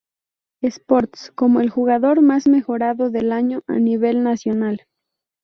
Sports como el jugador más mejorado del año a nivel nacional.